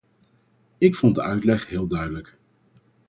Ik vond de uitleg heel duidelijk.